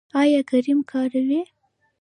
ایا کریم کاروئ؟